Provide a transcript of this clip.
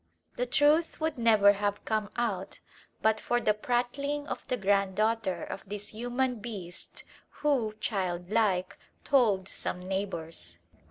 The truth would never have come out but for the prattling of the granddaughter of this human beast who, child like, told some neighbours.